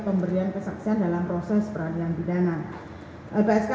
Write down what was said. pemberian kesaksian dalam proses peradilan bidana lpsk tidak merasa berpendapat